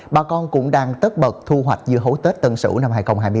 bà con cũng đang tất bật thu hoạch dưa hấu tết tân sửu năm hai nghìn hai mươi bốn